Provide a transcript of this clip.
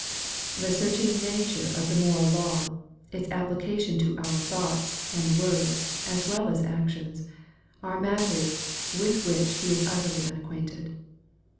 The searching nature of the moral law, its application to our thoughts, and words, as well as actions, are matters with which he is utterly unacquainted.